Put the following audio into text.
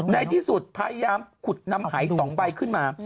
ในที่สุดพยายามขุดนำหาย๒ใบขึ้นมา